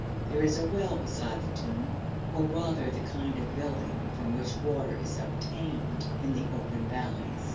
There is a well beside the tomb, or rather the kind of building from which water is obtained in the open valleys.